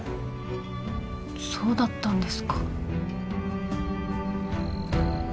そうだったんですか。